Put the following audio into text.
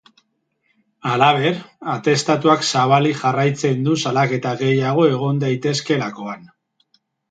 Halaber, atestatuak zabalik jarraitzen du salaketa gehiago egon daitezkeelakoan.